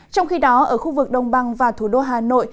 trong khi đó ở khu vực đông băng và thủ đô hà nội